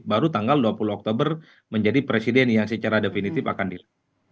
baru tanggal dua puluh oktober menjadi presiden yang secara definitif akan dilakukan